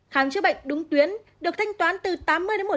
khám chứa bệnh đúng tuyến được thanh toán từ tám mươi một trăm linh